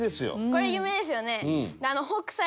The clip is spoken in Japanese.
これ有名ですよね。